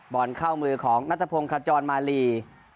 บอลเข้ามือของนัทพงศ์ขจรมาลี